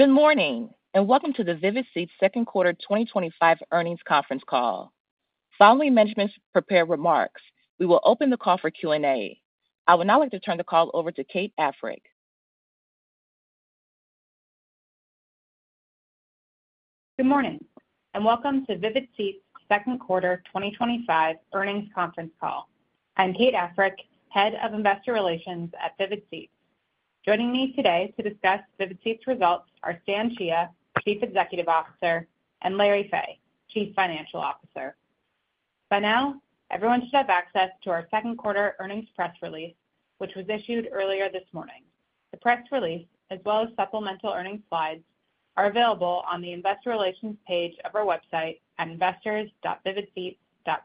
Good morning and welcome to the Vivid Seats second quarter 2025 earnings conference call. Following management's prepared remarks, we will open the call for Q&A. I would now like to turn the call over to Kate Africk. Good morning and welcome to Vivid Seats second quarter 2025 earnings conference call. I'm Kate Africk, Head of Investor Relations at Vivid Seats. Joining me today to discuss Vivid Seats' results are Stan Chia, Chief Executive Officer, and Larry Fey, Chief Financial Officer. By now, everyone should have access to our second quarter earnings press release, which was issued earlier this morning. The press release, as well as supplemental earnings slides, are available on the Investor Relations page of our website at investors.vividseats.com.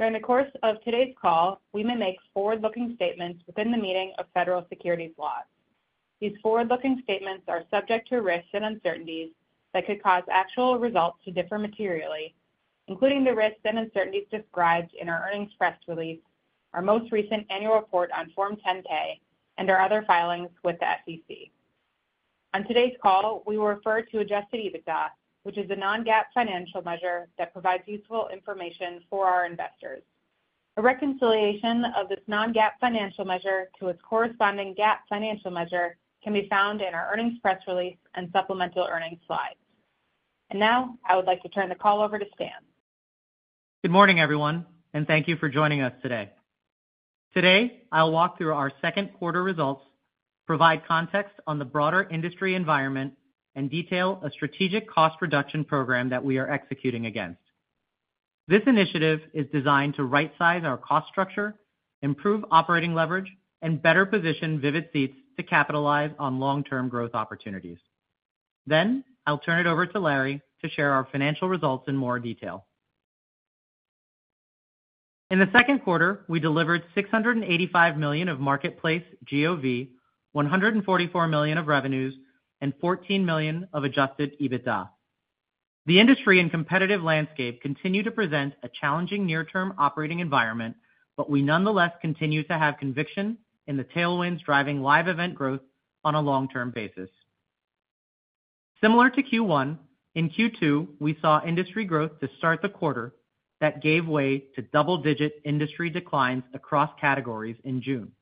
During the course of today's call, we may make forward-looking statements within the meaning of federal securities laws. These forward-looking statements are subject to risks and uncertainties that could cause actual results to differ materially, including the risks and uncertainties described in our earnings press release, our most recent annual report on Form 10-K, and our other filings with the SEC. On today's call, we will refer to adjusted EBITDA, which is a non-GAAP financial measure that provides useful information for our investors. A reconciliation of this non-GAAP financial measure to its corresponding GAAP financial measure can be found in our earnings press release and supplemental earnings slides. I would like to turn the call over to Stan. Good morning, everyone, and thank you for joining us today. Today, I'll walk through our second quarter results, provide context on the broader industry environment, and detail a strategic cost reduction program that we are executing against. This initiative is designed to right-size our cost structure, improve operating leverage, and better position Vivid Seats to capitalize on long-term growth opportunities. I'll turn it over to Larry to share our financial results in more detail. In the second quarter, we delivered $685 million of marketplace GOV, $144 million of revenues, and $14 million of adjusted EBITDA. The industry and competitive landscape continue to present a challenging near-term operating environment, but we nonetheless continue to have conviction in the tailwinds driving live event growth on a long-term basis. Similar to Q1, in Q2, we saw industry growth to start the quarter that gave way to double-digit industry declines across categories in June.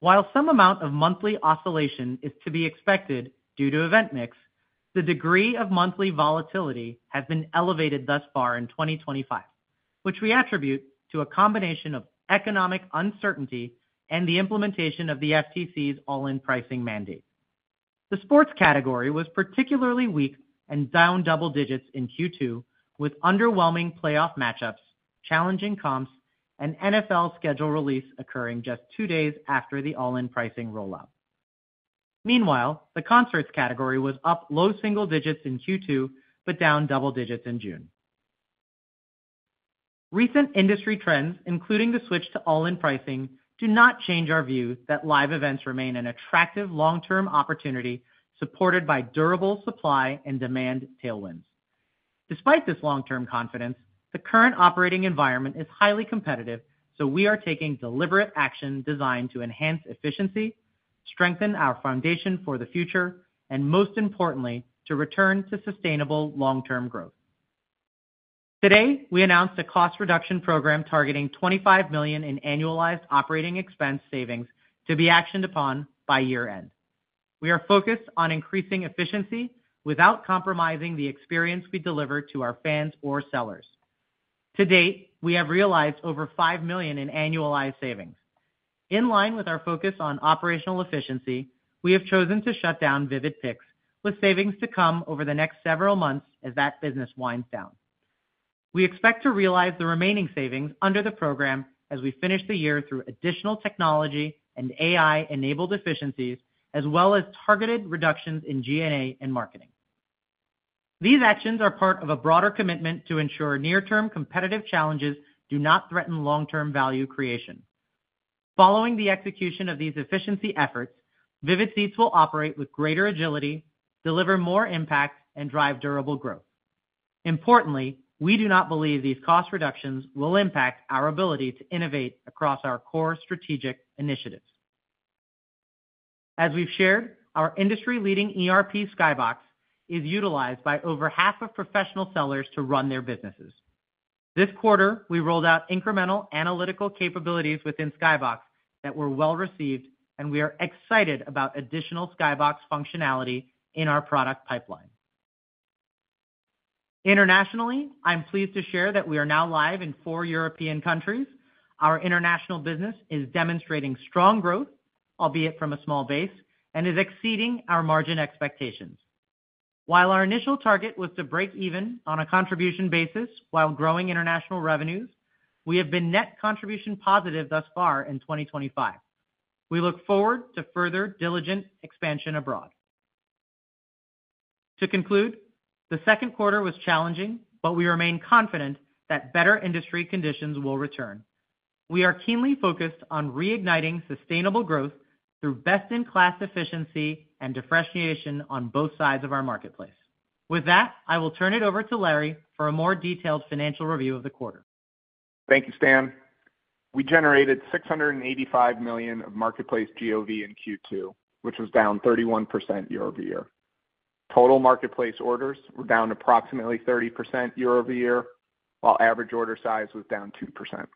While some amount of monthly oscillation is to be expected due to event mix, the degree of monthly volatility has been elevated thus far in 2025, which we attribute to a combination of economic uncertainty and the implementation of the FTC's all-in pricing mandate. The sports category was particularly weak and down double digits in Q2, with underwhelming playoff matchups, challenging comps, and NFL schedule release occurring just two days after the all-in pricing rollout. Meanwhile, the concerts category was up low single digits in Q2 but down double digits in June. Recent industry trends, including the switch to all-in pricing, do not change our view that live events remain an attractive long-term opportunity supported by durable supply and demand tailwinds. Despite this long-term confidence, the current operating environment is highly competitive, so we are taking deliberate action designed to enhance efficiency, strengthen our foundation for the future, and most importantly, to return to sustainable long-term growth. Today, we announced a cost reduction program targeting $25 million in annualized operating expense savings to be actioned upon by year-end. We are focused on increasing efficiency without compromising the experience we deliver to our fans or sellers. To date, we have realized over $5 million in annualized savings. In line with our focus on operational efficiency, we have chosen to shut down Vivid Picks, with savings to come over the next several months as that business winds down. We expect to realize the remaining savings under the program as we finish the year through additional technology and AI-enabled efficiencies, as well as targeted reductions in G&A and marketing. These actions are part of a broader commitment to ensure near-term competitive challenges do not threaten long-term value creation. Following the execution of these efficiency efforts, Vivid Seats will operate with greater agility, deliver more impact, and drive durable growth. Importantly, we do not believe these cost reductions will impact our ability to innovate across our core strategic initiatives. As we've shared, our industry-leading ERP, Skybox is utilized by over half of professional sellers to run their businesses. This quarter, we rolled out incremental analytical capabilities within Skybox ERP platform that were well received, and we are excited about additional Skybox ERP platform functionality in our product pipeline. Internationally, I'm pleased to share that we are now live in four European countries. Our international business is demonstrating strong growth, albeit from a small base, and is exceeding our margin expectations. While our initial target was to break even on a contribution basis while growing international revenues, we have been net contribution positive thus far in 2025. We look forward to further diligent expansion abroad. To conclude, the second quarter was challenging, but we remain confident that better industry conditions will return. We are keenly focused on reigniting sustainable growth through best-in-class efficiency and differentiation on both sides of our marketplace. With that, I will turn it over to Larry for a more detailed financial review of the quarter. Thank you, Stan. We generated $685 million of marketplace GOV in Q2, which was down 31% year-over-year. Total marketplace orders were down approximately 30% year-over-year, while average order size was down 2%.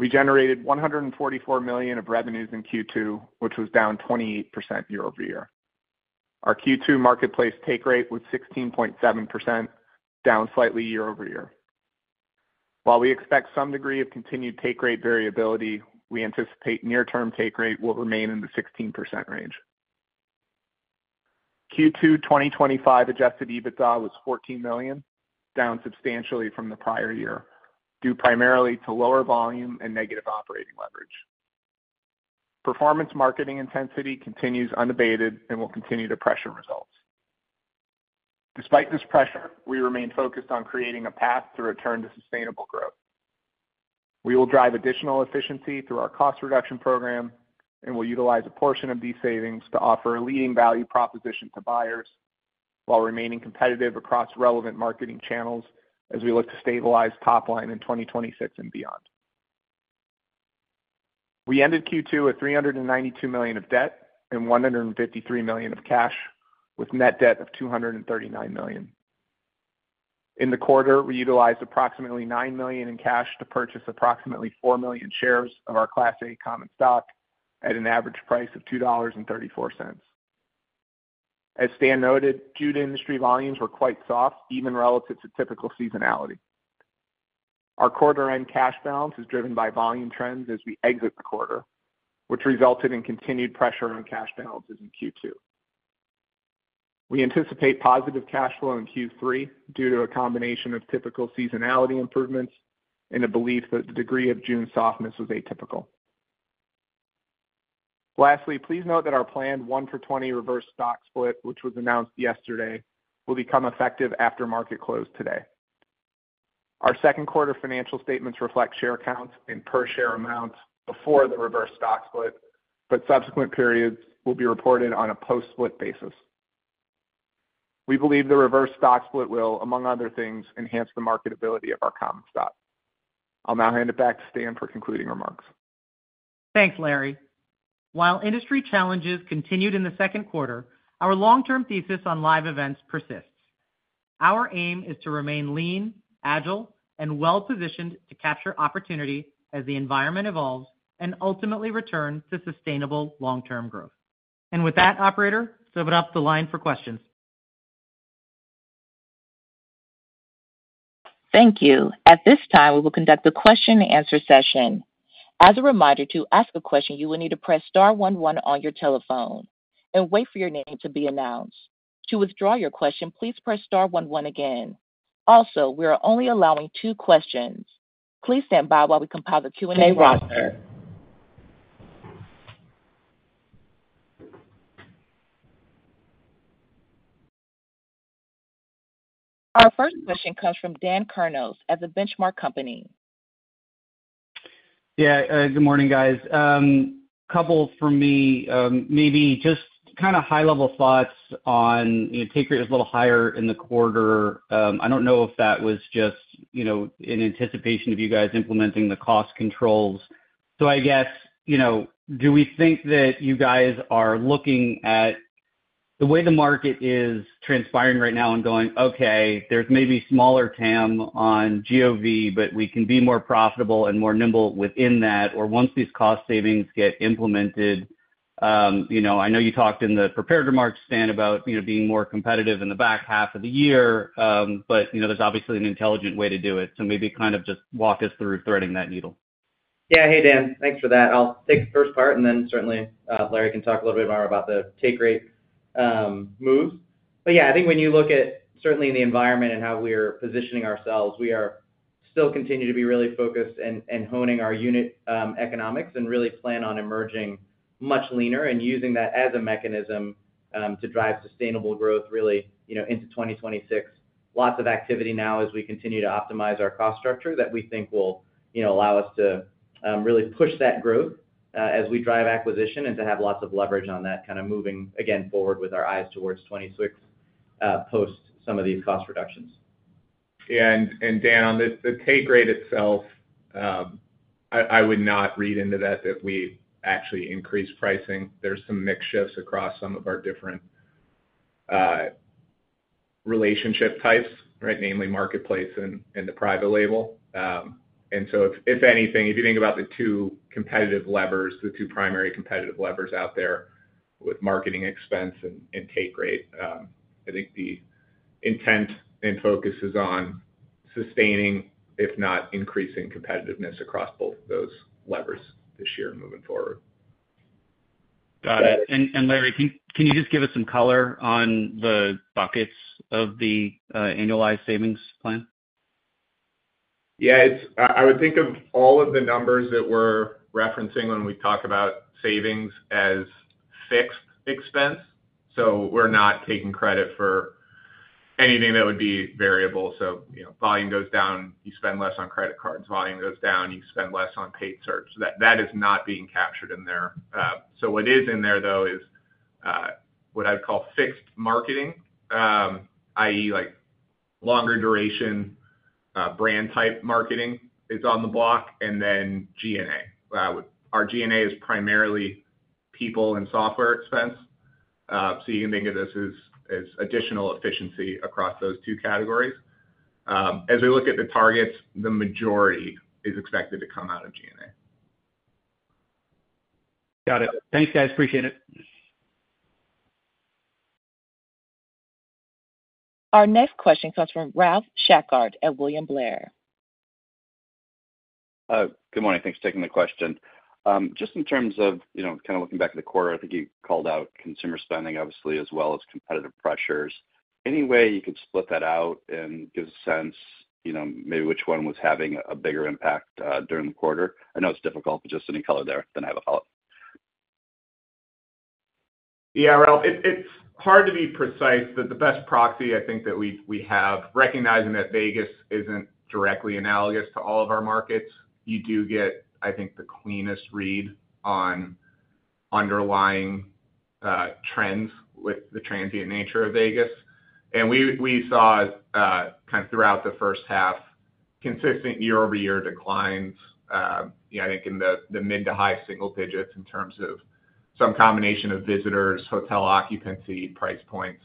We generated $144 million of revenues in Q2, which was down 28% year-over-year. Our Q2 marketplace take rate was 16.7%, down slightly year-over-year. While we expect some degree of continued take rate variability, we anticipate near-term take rate will remain in the 16% range. Q2 2025 adjusted EBITDA was $14 million, down substantially from the prior year, due primarily to lower volume and negative operating leverage. Performance marketing intensity continues unabated and will continue to pressure results. Despite this pressure, we remain focused on creating a path to return to sustainable growth. We will drive additional efficiency through our cost reduction program and will utilize a portion of these savings to offer a leading value proposition to buyers while remaining competitive across relevant marketing channels as we look to stabilize top-line in 2026 and beyond. We ended Q2 at $392 million of debt and $153 million of cash, with net debt of $239 million. In the quarter, we utilized approximately $9 million in cash to purchase approximately 4 million shares of our Class A common stock at an average price of $2.34. As Stan noted, June industry volumes were quite soft, even relative to typical seasonality. Our quarter-end cash balance is driven by volume trends as we exit the quarter, which resulted in continued pressure on cash balances in Q2. We anticipate positive cash flow in Q3 due to a combination of typical seasonality improvements and a belief that the degree of June softness was atypical. Lastly, please note that our planned one-for-20 reverse stock split, which was announced yesterday, will become effective after market close today. Our second quarter financial statements reflect share counts and per-share amounts before the reverse stock split, but subsequent periods will be reported on a post-split basis. We believe the reverse stock split will, among other things, enhance the marketability of our common stock. I'll now hand it back to Stan for concluding remarks. Thanks, Larry. While industry challenges continued in the second quarter, our long-term thesis on live events persists. Our aim is to remain lean, agile, and well-positioned to capture opportunity as the environment evolves and ultimately return to sustainable long-term growth. With that, Operator, we'll open up the line for questions. Thank you. At this time, we will conduct a question-and-answer session. As a reminder, to ask a question, you will need to press *11 on your telephone and wait for your name to be announced. To withdraw your question, please press *11 again. Also, we are only allowing two questions. Please stand by while we compile the Q&A remarks. Our first question comes from Dan Kurnos at The Benchmark Company. Yeah, good morning, guys. A couple for me, maybe just kind of high-level thoughts on take rate was a little higher in the quarter. I don't know if that was just, you know, in anticipation of you guys implementing the cost controls. I guess, you know, do we think that you guys are looking at the way the market is transpiring right now and going, okay, there's maybe smaller TAM on GOV, but we can be more profitable and more nimble within that, or once these cost savings get implemented, you know, I know you talked in the prepared remarks, Stan, about, you know, being more competitive in the back half of the year, but, you know, there's obviously an intelligent way to do it. Maybe kind of just walk us through threading that needle. Yeah, hey, Dan, thanks for that. I'll take the first part and then certainly Larry can talk a little bit more about the take rate move. I think when you look at certainly in the environment and how we are positioning ourselves, we are still continuing to be really focused and honing our unit economics and really plan on emerging much leaner and using that as a mechanism to drive sustainable growth really into 2026. Lots of activity now as we continue to optimize our cost structure that we think will allow us to really push that growth as we drive acquisition and to have lots of leverage on that kind of moving again forward with our eyes towards 2026 post some of these cost reductions. Dan, on the take rate itself, I would not read into that that we've actually increased pricing. There are some mixed shifts across some of our different relationship types, namely marketplace and the private label. If anything, if you think about the two competitive levers, the two primary competitive levers out there with marketing expense and take rate, I think the intent and focus is on sustaining, if not increasing, competitiveness across both those levers this year moving forward. Got it. Larry, can you just give us some color on the buckets of the annualized savings plan? Yeah, I would think of all of the numbers that we're referencing when we talk about savings as fixed expense. We're not taking credit for anything that would be variable. Volume goes down, you spend less on credit cards, volume goes down, you spend less on paid search. That is not being captured in there. What is in there, though, is what I'd call fixed marketing, i.e., like longer duration brand type marketing is on the block and then G&A. Our G&A is primarily people and software expense. You can think of this as additional efficiency across those two categories. As we look at the targets, the majority is expected to come out of G&A. Got it. Thanks, guys. Appreciate it. Our next question comes from Ralph Schackart at William Blair. Good morning. Thanks for taking the question. Just in terms of looking back at the quarter, I think you called out consumer spending, obviously, as well as competitive pressures. Any way you could split that out and give a sense, maybe which one was having a bigger impact during the quarter? I know it's difficult, but just any color there that I have a palette. Yeah, Ralph, it's hard to be precise, but the best proxy I think that we have, recognizing that Vegas isn't directly analogous to all of our markets, you do get, I think, the cleanest read on underlying trends with the transient nature of Vegas. We saw throughout the first half consistent year-over-year declines. I think in the mid to high single digits in terms of some combination of visitors, hotel occupancy, price points.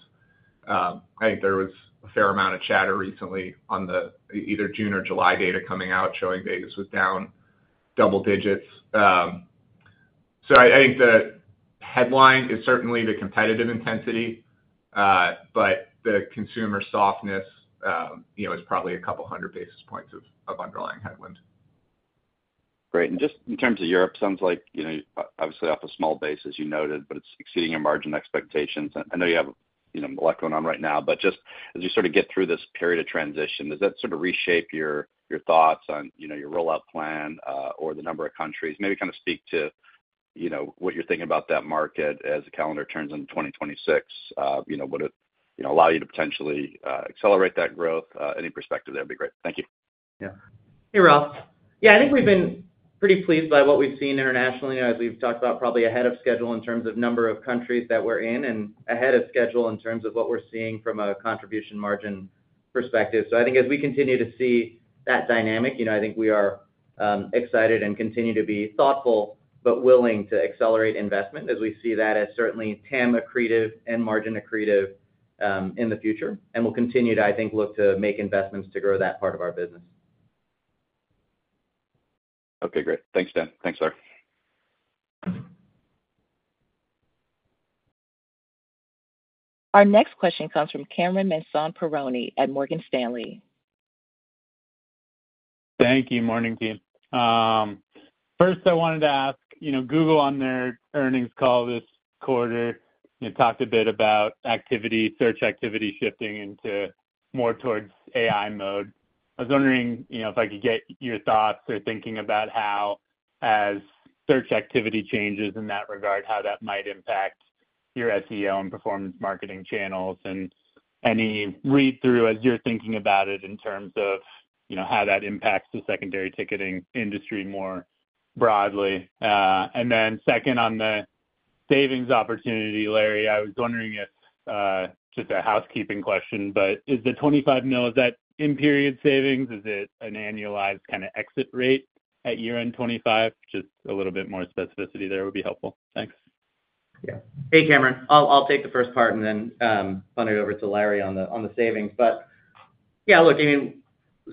I think there was a fair amount of chatter recently on the either June or July data coming out showing Vegas was down double digits. I think the headline is certainly the competitive intensity, but the consumer softness is probably a couple hundred basis points of underlying headwind. Great. In terms of Europe, it sounds like, obviously off a small basis, you noted, but it's exceeding your margin expectations. I know you have a lot going on right now, but as you sort of get through this period of transition, does that reshape your thoughts on your rollout plan or the number of countries? Maybe speak to what you're thinking about that market as the calendar turns in 2026. Would it allow you to potentially accelerate that growth? Any perspective there would be great. Thank you. Yeah. Hey, Ralph. I think we've been pretty pleased by what we've seen internationally, as we've talked about, probably ahead of schedule in terms of number of countries that we're in and ahead of schedule in terms of what we're seeing from a contribution margin perspective. I think as we continue to see that dynamic, I think we are excited and continue to be thoughtful but willing to accelerate investment as we see that as certainly TAM accretive and margin accretive in the future. We'll continue to, I think, look to make investments to grow that part of our business. Okay, great. Thanks, Stan. Thanks, Larry. Our next question comes from Cameron Mansson-Perrone at Morgan Stanley. Thank you. Morning, team. First, I wanted to ask, you know, Google on their earnings call this quarter, you talked a bit about activity, search activity shifting more towards AI mode. I was wondering if I could get your thoughts or thinking about how, as search activity changes in that regard, how that might impact your SEO and performance marketing channels, and any read-through as you're thinking about it in terms of how that impacts the secondary ticketing industry more broadly. Second, on the savings opportunity, Larry, I was wondering if, just a housekeeping question, but is the $25 million, is that in-period savings? Is it an annualized kind of exit rate at year-end 2025? Just a little bit more specificity there would be helpful. Thanks. Yeah. Hey, Cameron. I'll take the first part and then I'll hand it over to Larry on the savings. Yeah, look, I mean,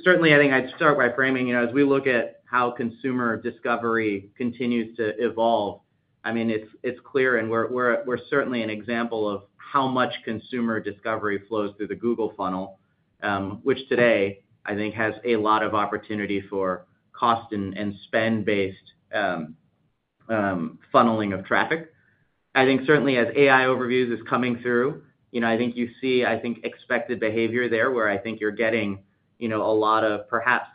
certainly I think I'd start by framing, you know, as we look at how consumer discovery continues to evolve, it's clear and we're certainly an example of how much consumer discovery flows through the Google funnel, which today I think has a lot of opportunity for cost and spend-based funneling of traffic. I think certainly as AI overviews is coming through, you know, I think you see, I think, expected behavior there where I think you're getting, you know, a lot of perhaps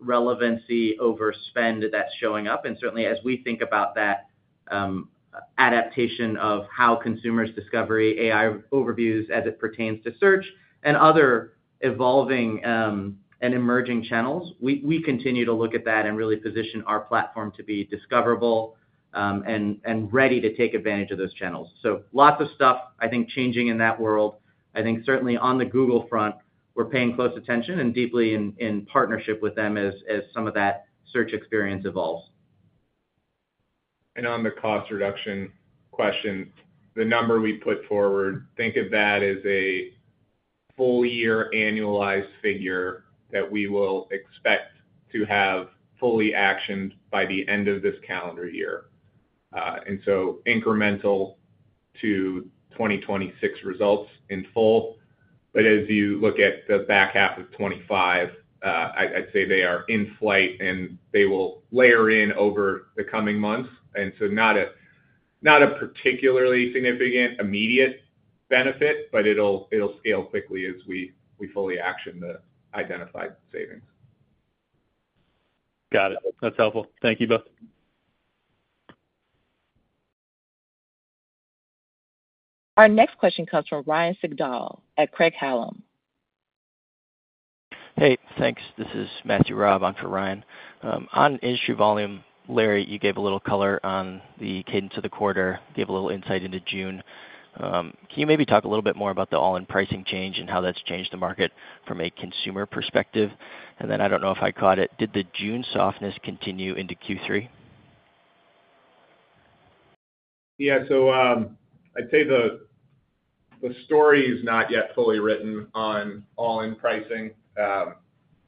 relevancy over spend that's showing up. Certainly as we think about that adaptation of how consumers discover AI overviews as it pertains to search and other evolving and emerging channels, we continue to look at that and really position our platform to be discoverable and ready to take advantage of those channels. Lots of stuff, I think, changing in that world. I think certainly on the Google front, we're paying close attention and deeply in partnership with them as some of that search experience evolves. On the cost reduction question, the number we put forward, think of that as a full-year annualized figure that we will expect to have fully actioned by the end of this calendar year. That is incremental to 2026 results in full. As you look at the back half of 2025, I'd say they are in flight and they will layer in over the coming months. It is not a particularly significant immediate benefit, but it'll scale quickly as we fully action the identified savings. Got it. That's helpful. Thank you both. Our next question comes from Ryan Sigdahl at Craig-Hallum. Hey, thanks. This is Matthew Raab. I'm for Ryan. On industry volume, Larry, you gave a little color on the cadence of the quarter, gave a little insight into June. Can you maybe talk a little bit more about the all-in pricing change and how that's changed the market from a consumer perspective? I don't know if I caught it. Did the June softness continue into Q3? Yeah, I'd say the story is not yet fully written on all-in pricing.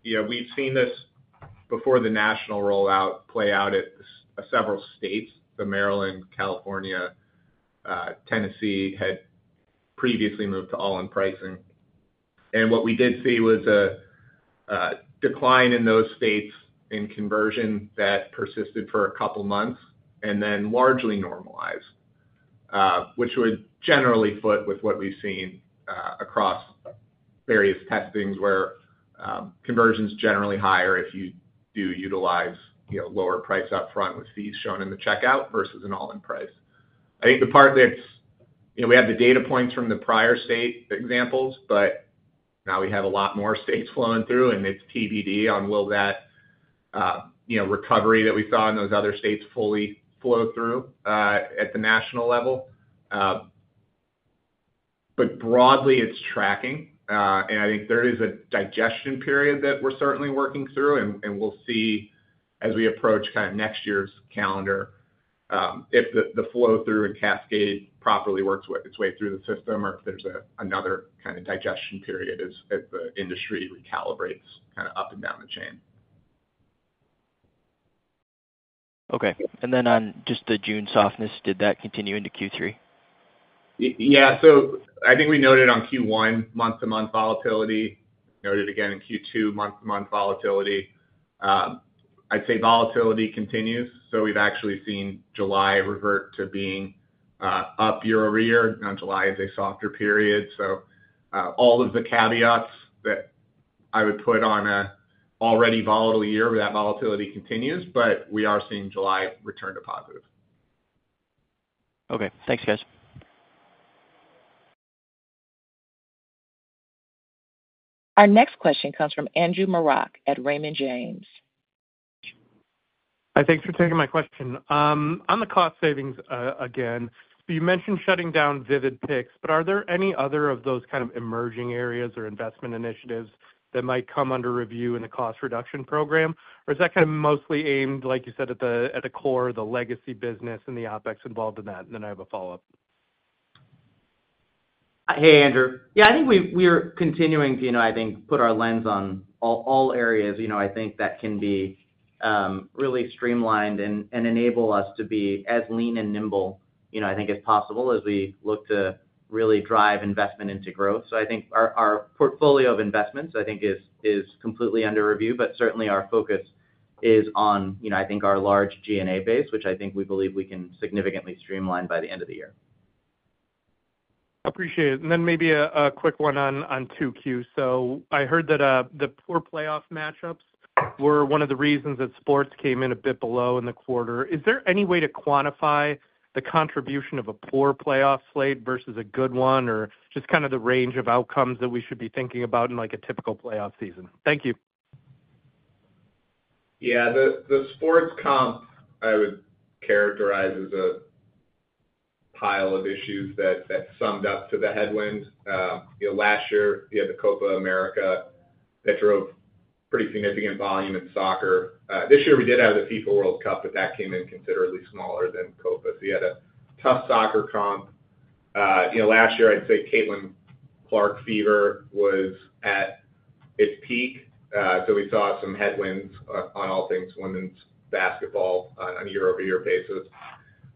We've seen this before the national rollout play out at several states. Maryland, California, Tennessee had previously moved to all-in pricing. What we did see was a decline in those states in conversion that persisted for a couple months and then largely normalized, which would generally fit with what we've seen across various testings where conversion is generally higher if you do utilize lower price upfront with fees shown in the checkout versus an all-in price. I think the part that's, we have the data points from the prior state examples, but now we have a lot more states flowing through and it's TBD on will that recovery that we saw in those other states fully flow through at the national level. Broadly, it's tracking. I think there is a digestion period that we're certainly working through and we'll see as we approach kind of next year's calendar if the flow through and cascade properly works its way through the system or if there's another kind of digestion period as the industry recalibrates up and down the chain. Okay. On just the June softness, did that continue into Q3? Yeah, I think we noted on Q1 month-to-month volatility, noted again in Q2 month-to-month volatility. I'd say volatility continues. We've actually seen July revert to being up year-over-year. Now July is a softer period, so all of the caveats that I would put on an already volatile year where that volatility continues, but we are seeing July return to positive. Okay, thanks, guys. Our next question comes from Andrew Marok at Raymond James. Thanks for taking my question. On the cost savings again, you mentioned shutting down Vivid Picks, but are there any other of those kind of emerging areas or investment initiatives that might come under review in the cost reduction program, or is that kind of mostly aimed, like you said, at the core of the legacy business and the OpEx involved in that? I have a follow-up. Hey, Andrew. I think we're continuing to put our lens on all areas that can be really streamlined and enable us to be as lean and nimble as possible as we look to really drive investment into growth. I think our portfolio of investments is completely under review, but certainly our focus is on our large G&A base, which we believe we can significantly streamline by the end of the year. Appreciate it. Maybe a quick one on 2Q. I heard that the poor playoff matchups were one of the reasons that sports came in a bit below in the quarter. Is there any way to quantify the contribution of a poor playoff slate versus a good one, or just the range of outcomes that we should be thinking about in a typical playoff season? Thank you. Yeah, the sports comp I would characterize as a pile of issues that summed up to the headwind. Last year we had the Copa América that drove pretty significant volume in soccer. This year we did have the FIFA World Cup, but that came in considerably smaller than Copa. You had a tough soccer comp. Last year I'd say Caitlin Clark fever was at its peak. We saw some headwinds on all things women's basketball on a year-over-year basis.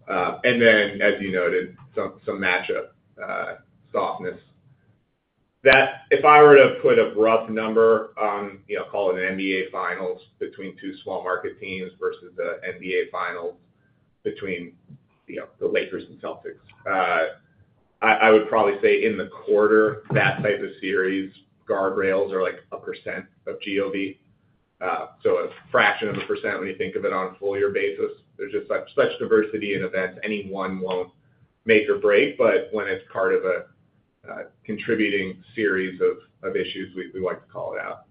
As you noted, some matchup softness. If I were to put a rough number on, call it an NBA Finals between two small market teams versus the NBA Finals between the Lakers and Celtics, I would probably say in the quarter, that type of series guardrails are like a 1% of GOV. A fraction of a 1% when you think of it on a full-year basis. There's just such diversity in events anyone won't make or break, but when it's part of a contributing series of issues, we like to call it out.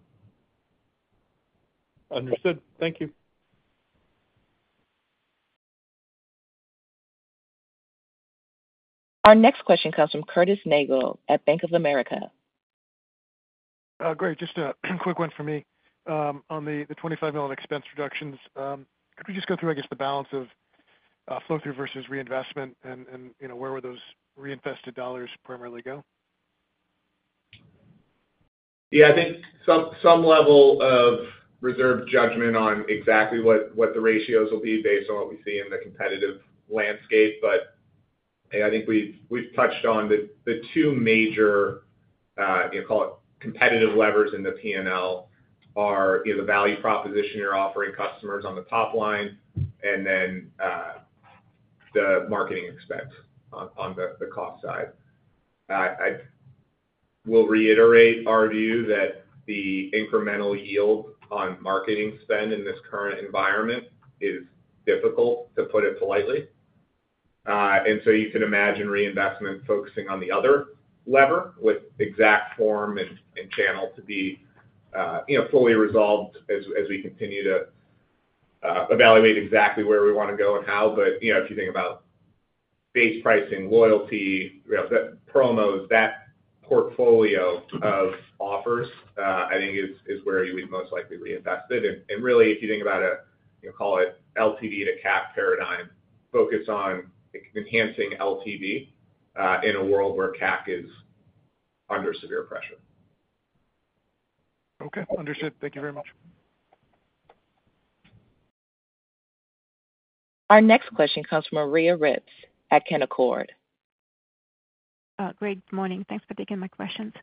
Understood. Thank you. Our next question comes from Curtis Nagle at Bank of America. Great. Just a quick one for me. On the $25 million expense reductions, could we just go through the balance of flow-through versus reinvestment, and where would those reinvested dollars primarily go? Yeah, I think some level of reserved judgment on exactly what the ratios will be based on what we see in the competitive landscape. I think we've touched on the two major, you know, call it competitive levers in the P&L are, you know, the value proposition you're offering customers on the top line and then the marketing expense on the cost side. I will reiterate our view that the incremental yield on marketing spend in this current environment is difficult to put it politely. You can imagine reinvestment focusing on the other lever with exact form and channel to be, you know, fully resolved as we continue to evaluate exactly where we want to go and how. If you think about base pricing, loyalty, you know, that promos, that portfolio of offers, I think is where you would most likely reinvest it. Really, if you think about a, you know, call it LTV to CAC paradigm, focus on enhancing LTV in a world where CAC is under severe pressure. Okay. Understood. Thank you very much. Our next question comes from Maria Ripps at Canaccord. Great morning. Thanks for taking my questions.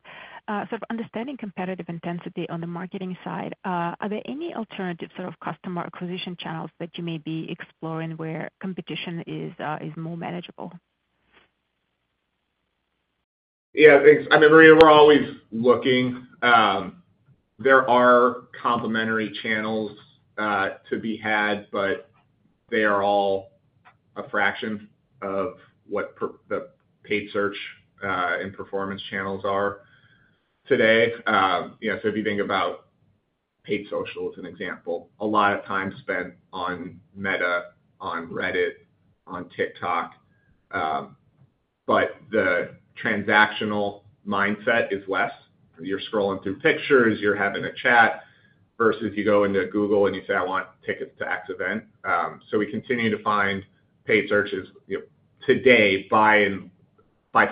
Sort of understanding competitive intensity on the marketing side, are there any alternative sort of customer acquisition channels that you may be exploring where competition is more manageable? Yeah, thanks. I mean, Maria, we're always looking. There are complementary channels to be had, but they are all a fraction of what the paid search and performance marketing channels are today. If you think about paid social as an example, a lot of time is spent on Meta, on Reddit, on TikTok, but the transactional mindset is less. You're scrolling through pictures, you're having a chat versus you go into Google and you say, "I want tickets to X event." We continue to find paid search is, you know, today by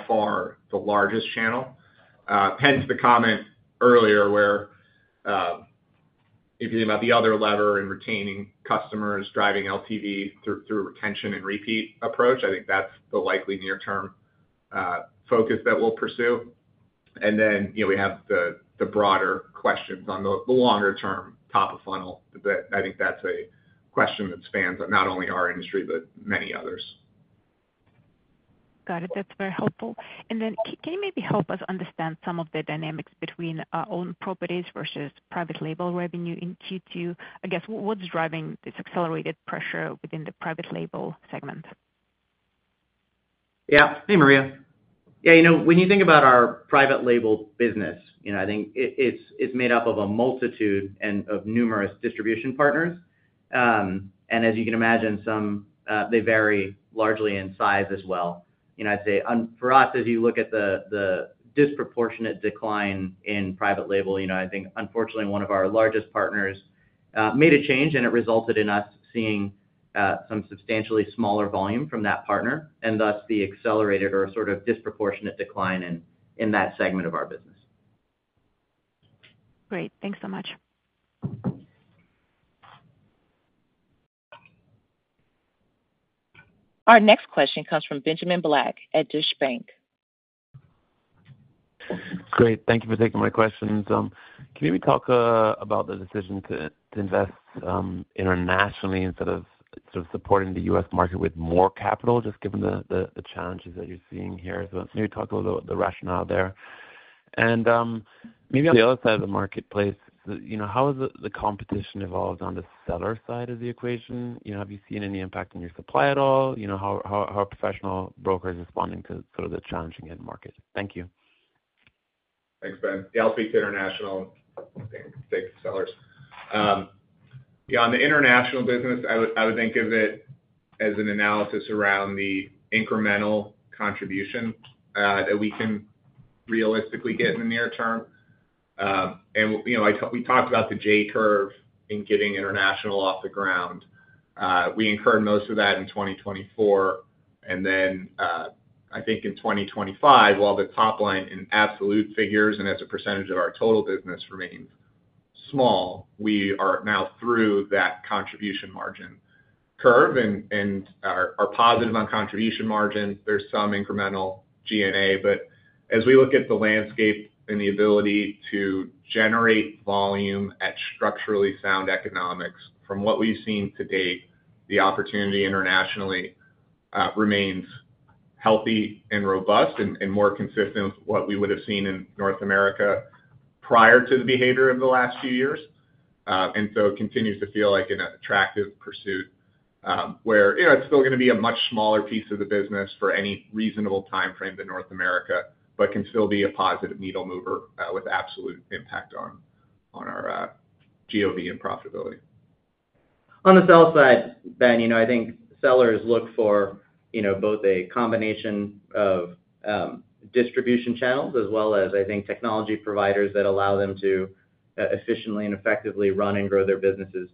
far the largest channel. Hence the comment earlier where if you think about the other lever in retaining customers, driving LTV through retention and repeat approach, I think that's the likely near-term focus that we'll pursue. We have the broader questions on the longer-term top of funnel that I think that's a question that spans not only our industry, but many others. Got it. That's very helpful. Can you maybe help us understand some of the dynamics between own properties versus private label revenue in Q2? I guess what's driving this accelerated pressure within the private label segment? Yeah. Hey, Maria. When you think about our private label business, I think it's made up of a multitude of numerous distribution partners. As you can imagine, they vary largely in size as well. I'd say for us, as you look at the disproportionate decline in private label, I think unfortunately one of our largest partners made a change and it resulted in us seeing some substantially smaller volume from that partner, thus the accelerated or sort of disproportionate decline in that segment of our business. Great, thanks so much. Our next question comes from Benjamin Black at Deutsche Bank. Great. Thank you for taking my questions. Can you maybe talk about the decision to invest internationally instead of supporting the U.S. market with more capital, just given the challenges that you're seeing here? Maybe talk a little bit about the rationale there. On the other side of the marketplace, how has the competition evolved on the seller side of the equation? Have you seen any impact in your supply at all? How are professional brokers responding to the challenging end market? Thank you. Thanks, Ben. Yeah, I'll speak to international and sellers. On the international business, I would think of it as an analysis around the incremental contribution that we can realistically get in the near term. You know, we talked about the J curve in getting international off the ground. We incurred most of that in 2024. I think in 2025, while the top line in absolute figures and as a percentage of our total business remains small, we are now through that contribution margin curve and are positive on contribution margin. There's some incremental G&A, but as we look at the landscape and the ability to generate volume at structurally sound economics, from what we've seen to date, the opportunity internationally remains healthy and robust and more consistent with what we would have seen in North America prior to the behavior of the last few years. It continues to feel like an attractive pursuit where, you know, it's still going to be a much smaller piece of the business for any reasonable timeframe than North America, but can still be a positive needle mover with absolute impact on our GOV and profitability. On the sell side, Ben, I think sellers look for both a combination of distribution channels as well as technology providers that allow them to efficiently and effectively run and grow their businesses.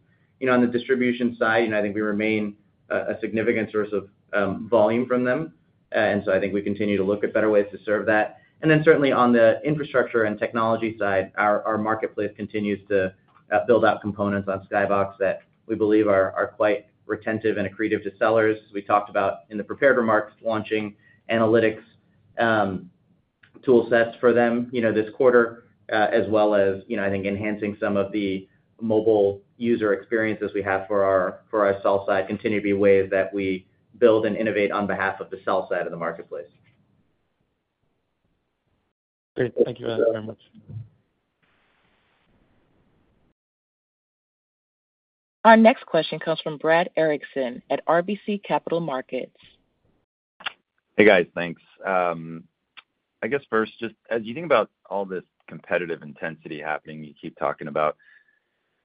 On the distribution side, I think we remain a significant source of volume for them. I think we continue to look at better ways to serve that. Certainly, on the infrastructure and technology side, our marketplace continues to build out components on Skybox ERP platform that we believe are quite retentive and accretive to sellers. We talked about in the prepared remarks launching analytics tool sets for them this quarter, as well as enhancing some of the mobile user experiences we have for our sell side, which continue to be ways that we build and innovate on behalf of the sell side of the marketplace. Great. Thank you very much. Our next question comes from Brad Erickson at RBC Capital Markets. Hey, guys. Thanks. I guess first, just as you think about all this competitive intensity happening you keep talking about,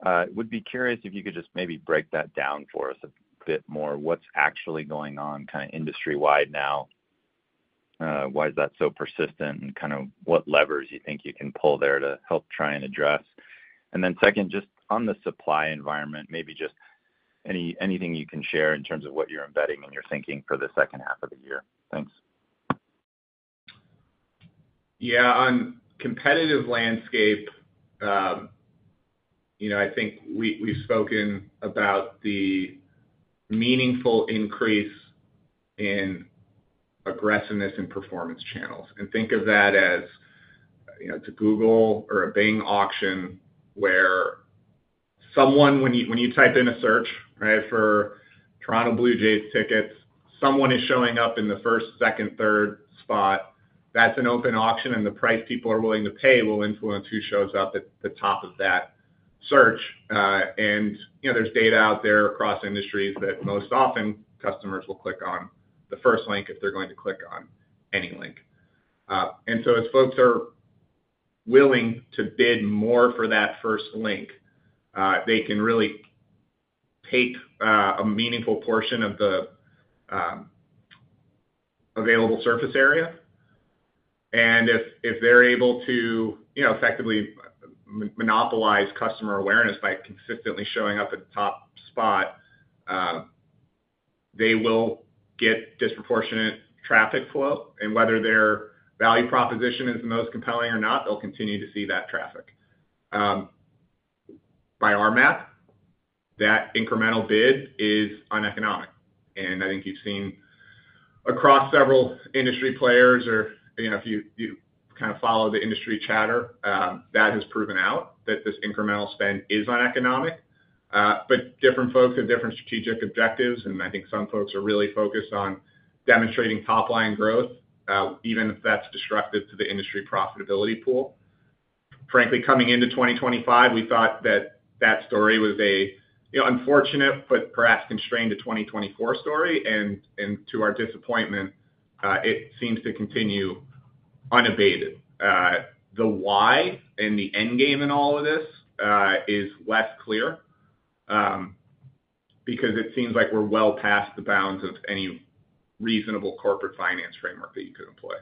I would be curious if you could just maybe break that down for us a bit more. What's actually going on kind of industry-wide now? Why is that so persistent and kind of what levers you think you can pull there to help try and address? Second, just on the supply environment, maybe just anything you can share in terms of what you're embedding in your thinking for the second half of the year. Thanks. Yeah, on the competitive landscape, I think we've spoken about the meaningful increase in aggressiveness in performance marketing channels. Think of that as, you know, it's a Google or a Bing auction where someone, when you type in a search for Toronto Blue Jays tickets, someone is showing up in the first, second, third spot. That's an open auction, and the price people are willing to pay will influence who shows up at the top of that search. There's data out there across industries that most often customers will click on the first link if they're going to click on any link. As folks are willing to bid more for that first link, they can really take a meaningful portion of the available surface area. If they're able to effectively monopolize customer awareness by consistently showing up at the top spot, they will get disproportionate traffic flow. Whether their value proposition is the most compelling or not, they'll continue to see that traffic. By our math, that incremental bid is uneconomic. I think you've seen across several industry players, or if you kind of follow the industry chatter, that has proven out that this incremental spend is uneconomic. Different folks have different strategic objectives. I think some folks are really focused on demonstrating top-line growth, even if that's destructive to the industry profitability pool. Frankly, coming into 2025, we thought that that story was an unfortunate but perhaps constrained to 2024 story. To our disappointment, it seems to continue unabated. The why and the endgame in all of this is less clear because it seems like we're well past the bounds of any reasonable corporate finance framework that you could employ.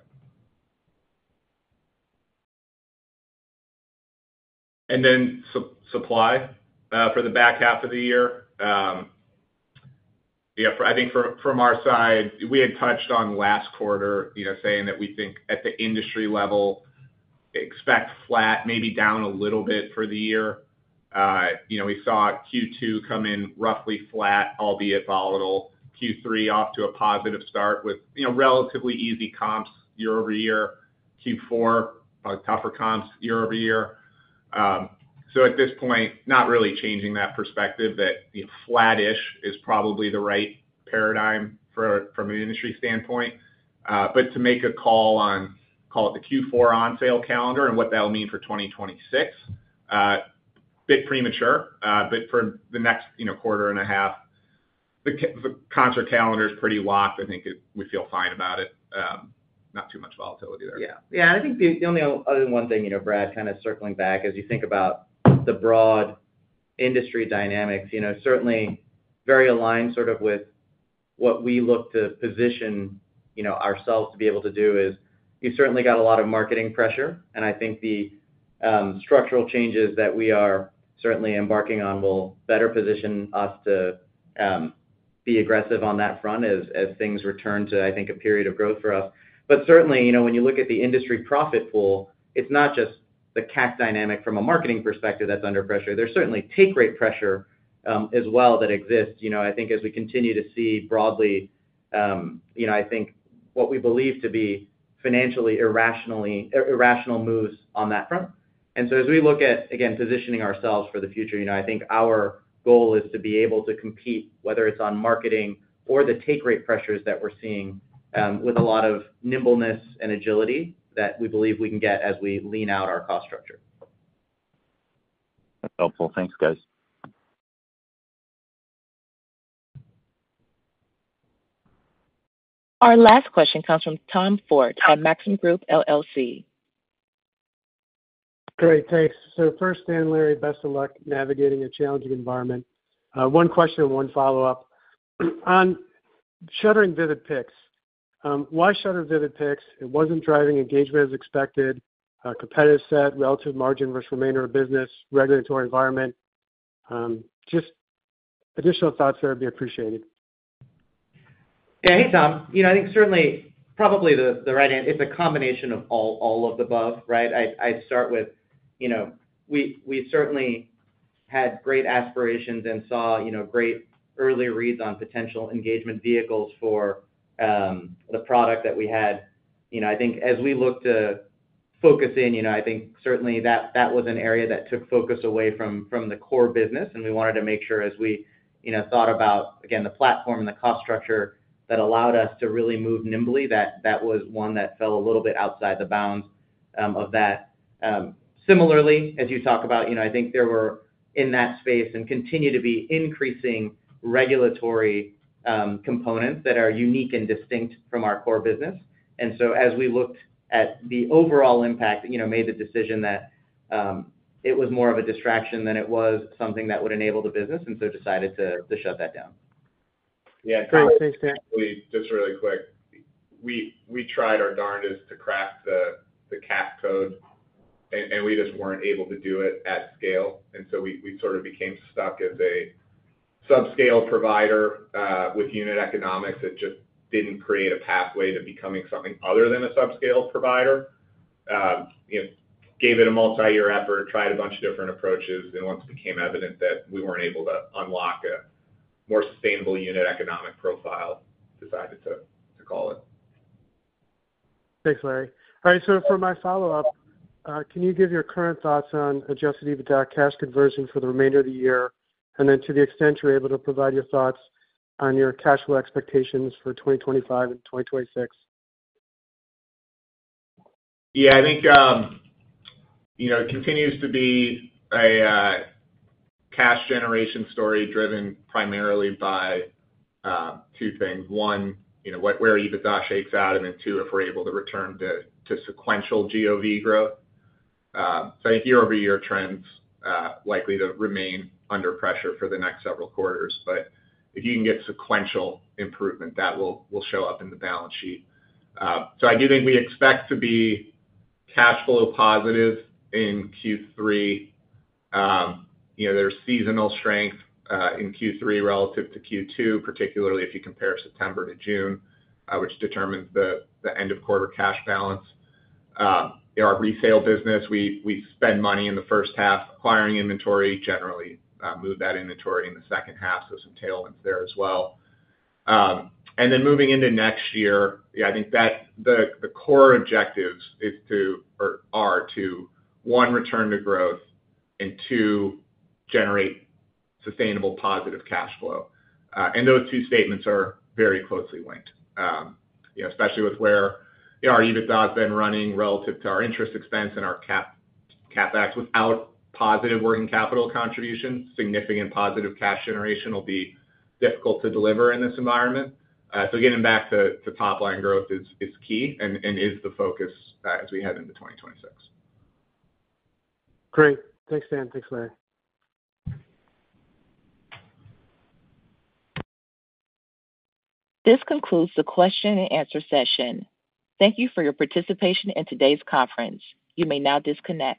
For supply for the back half of the year, I think from our side, we had touched on last quarter, saying that we think at the industry level, expect flat, maybe down a little bit for the year. We saw Q2 come in roughly flat, albeit volatile. Q3 is off to a positive start with relatively easy comps year over year. Q4 has tougher comps year over year. At this point, not really changing that perspective that flat-ish is probably the right paradigm from an industry standpoint. To make a call on, call it the Q4 on-sale calendar and what that'll mean for 2026, is a bit premature. For the next quarter and a half, the contract calendar is pretty locked. I think we feel fine about it. Not too much volatility there. Yeah, yeah. I think the only other one thing, you know, Brad, kind of circling back, as you think about the broad industry dynamics, certainly very aligned sort of with what we look to position ourselves to be able to do is you've certainly got a lot of marketing pressure. I think the structural changes that we are certainly embarking on will better position us to be aggressive on that front as things return to, I think, a period of growth for us. Certainly, when you look at the industry profit pool, it's not just the CAC dynamic from a marketing perspective that's under pressure. There's certainly take rate pressure as well that exists. I think as we continue to see broadly, what we believe to be financially irrational moves on that front. As we look at, again, positioning ourselves for the future, I think our goal is to be able to compete, whether it's on marketing or the take rate pressures that we're seeing, with a lot of nimbleness and agility that we believe we can get as we lean out our cost structure. That's helpful. Thanks, guys. Our last question comes from Tom Forte from Maxim Group LLC. Great, thanks. Stan, Larry, best of luck navigating a challenging environment. One question and one follow-up. On shuttering Vivid Picks, why shutter Vivid Picks? It wasn't driving engagement as expected, a competitive set, relative margin versus remainder of business, regulatory environment. Just additional thoughts there would be appreciated. Yeah, hey, Tom. I think certainly probably the right answer, it's a combination of all of the above, right? I'd start with, we certainly had great aspirations and saw great early reads on potential engagement vehicles for the product that we had. I think as we look to focus in, I think certainly that was an area that took focus away from the core business. We wanted to make sure as we thought about, again, the platform and the cost structure that allowed us to really move nimbly, that that was one that fell a little bit outside the bounds of that. Similarly, as you talk about, I think there were in that space and continue to be increasing regulatory components that are unique and distinct from our core business. As we looked at the overall impact, we made the decision that it was more of a distraction than it was something that would enable the business and decided to shut that down. Yeah, and just really quick, we tried our darndest to craft the CAC code, and we just weren't able to do it at scale. We sort of became stuck as a subscale provider with unit economics that just didn't create a pathway to becoming something other than a subscale provider. You know, gave it a multi-year effort, tried a bunch of different approaches, and once it became evident that we weren't able to unlock a more sustainable unit economic profile, decided to call it. Thanks, Larry. All right, for my follow-up, can you give your current thoughts on adjusted EBITDA cash conversion for the remainder of the year? To the extent you're able, can you provide your thoughts on your cash flow expectations for 2025 and 2026? Yeah, I think it continues to be a cash generation story driven primarily by two things. One, where EBITDA shakes out, and then two, if we're able to return to sequential GOV growth. I think year-over-year trends are likely to remain under pressure for the next several quarters. If you can get sequential improvement, that will show up in the balance sheet. I do think we expect to be cash flow positive in Q3. There's seasonal strength in Q3 relative to Q2, particularly if you compare September to June, which determines the end-of-quarter cash balance. Our resale business, we spend money in the first half acquiring inventory, generally move that inventory in the second half, so some tailwinds there as well. Moving into next year, I think that the core objectives are to, one, return to growth and, two, generate sustainable positive cash flow. Those two statements are very closely linked. Especially with where our EBITDA has been running relative to our interest expense and our CapEx, without positive working capital contributions, significant positive cash generation will be difficult to deliver in this environment. Getting back to top-line growth is key and is the focus as we head into 2026. Great. Thanks, Stan. Thanks, Larry. This concludes the question and answer session. Thank you for your participation in today's conference. You may now disconnect.